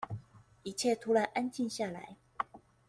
一切突然安靜下來